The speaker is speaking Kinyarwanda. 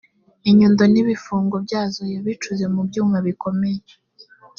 inyundo n ibifunga byazo yabicuze mubyuma bikomeye